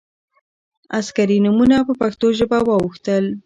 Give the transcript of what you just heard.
عسکري نومونه په پښتو ژبه واوښتل.